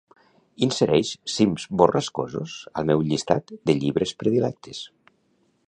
Insereix "Cims borrascosos" al meu llistat de llibres predilectes.